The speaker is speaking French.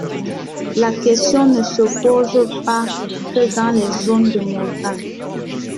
La question ne se pose pas que dans les zones de montagne.